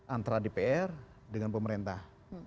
antara dpr dengan pemerintah